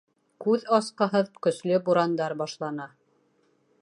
Күҙ асҡыһыҙ көслө бурандар башлана.